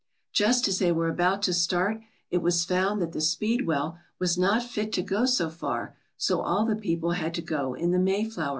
"Just as they were about to start, it was found that the ^Speedwell' was not fit to go so far, so all the people had to go in the Mayflower.